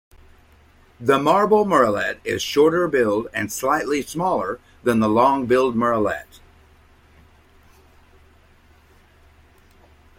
The Marbled murrelet is shorter-billed and slightly smaller than the Long-billed murrelet.